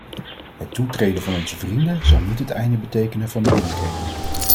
Het toetreden van onze vrienden zal niet het einde betekenen van de moeilijkheden.